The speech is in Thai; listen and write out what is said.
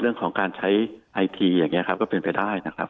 เรื่องของการใช้ไอทีอย่างนี้ครับก็เป็นไปได้นะครับ